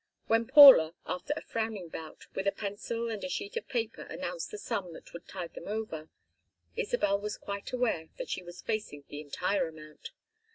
When Paula, after a frowning bout with a pencil and a sheet of paper, announced the sum that would tide them over, Isabel was quite aware that she was facing the entire amount.